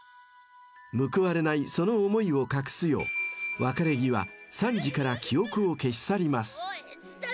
［報われないその思いを隠すよう別れ際サンジから記憶を消し去ります］